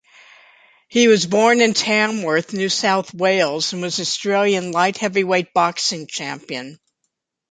He was born in Tamworth, New South Wales and was Australian Light-Heavyweight Boxing Champion.